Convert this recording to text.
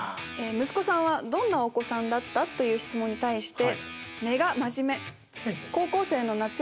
息子さんどんなお子さんだった？という質問に対して。